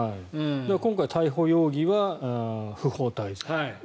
今回、逮捕容疑は不法滞在。